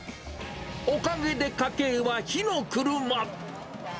おかげで家計は火の車。